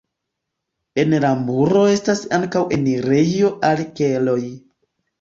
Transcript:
En la muro estas ankaŭ enirejo al keloj.